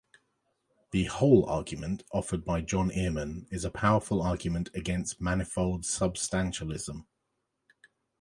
The "hole argument" offered by John Earman is a powerful argument against manifold substantialism.